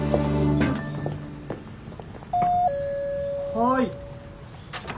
・はい。